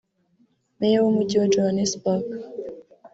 Meya w’Umujyi wa Johannesburg